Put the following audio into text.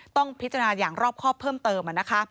ต้องพิจารณาอย่างรอบข้อเพิ่มเติมนะครับ